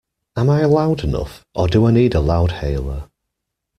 Am I loud enough, or do I need a loudhailer?